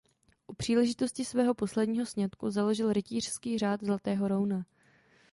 U příležitosti svého posledního sňatku založil rytířský řád zlatého rouna.